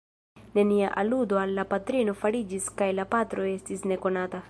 Nenia aludo al la patrino fariĝis kaj la patro estis nekonata.